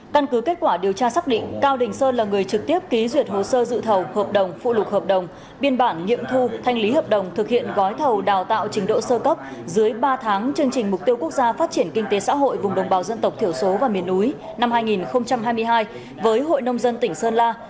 căn cứ kết quả điều tra xác định cao đình sơn là người trực tiếp ký duyệt hồ sơ dự thầu hợp đồng phụ lục hợp đồng biên bản nghiệm thu thanh lý hợp đồng thực hiện gói thầu đào tạo trình độ sơ cấp dưới ba tháng chương trình mục tiêu quốc gia phát triển kinh tế xã hội vùng đồng bào dân tộc thiểu số và miền núi năm hai nghìn hai mươi hai với hội nông dân tỉnh sơn la